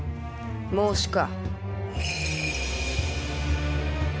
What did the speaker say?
孟子か。